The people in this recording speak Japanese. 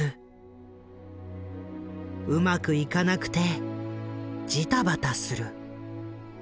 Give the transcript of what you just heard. うまくいかなくてじたばたする。